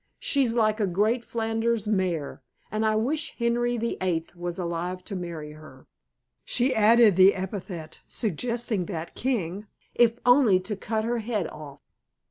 She's like a great Flanders mare. And I wish Henry VIII was alive to marry her," she added the epithet suggesting that king, "if only to cut her head off."